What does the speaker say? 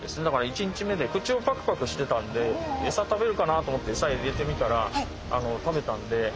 だから１日目で口をパクパクしてたんでえさ食べるかなと思ってえさ入れてみたら食べたんで。